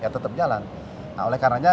tetap jalan oleh karena